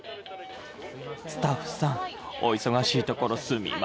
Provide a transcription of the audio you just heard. スタッフさんお忙しいところすみません。